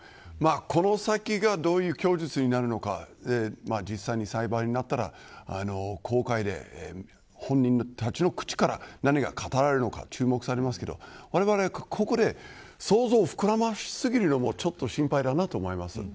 この先がどういう供述になるのか実際に裁判になったら本人たちの口から何が語られるのか注目されますがわれわれがここで、想像を膨らまし過ぎるのもちょっと心配だと思います。